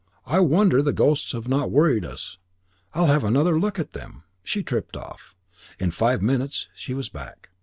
I wonder the ghosts have not worried us. I'll have another look at them." She tripped off. In five minutes she was back.